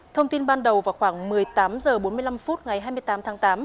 thông tin ban đầu vào khoảng một mươi tám h bốn mươi năm ngày hai mươi tám tháng tám